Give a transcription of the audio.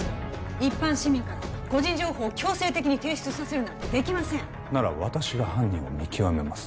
一般市民から個人情報を強制的に提出させるなんてできませんなら私が犯人を見極めます